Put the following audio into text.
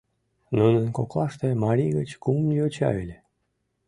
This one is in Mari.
Нунын коклаште марий гыч кум йоча ыле.